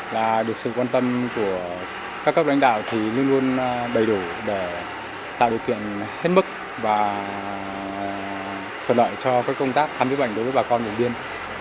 là được sự quan tâm của các cấp đánh đạo thì luôn luôn đầy đủ để tạo điều kiện hết mức và phần lợi cho cái công tác khám bệnh đối với bà con đồng biên